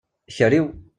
Ikeri-w?